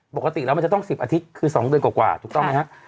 ปกติแล้วมันจะต้อง๑๐อาทิตย์คือ๒เดือนกว่าถูกต้องไหมครับ